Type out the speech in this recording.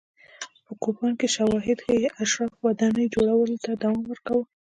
په کوپان کې شواهد ښيي اشرافو ودانۍ جوړولو ته دوام ورکاوه.